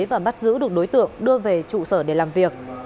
và bắt giữ được đối tượng đưa về trụ sở để làm việc